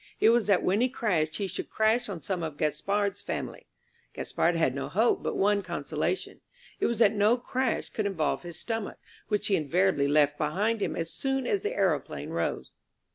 It was that when he crashed he should crash on some of Gaspard's family. Gaspard had no hope, but one consolation. It was that no crash could involve his stomach, which he invariably left behind him as soon as the aeroplane rose.